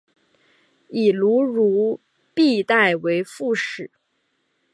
以卢汝弼代为副使。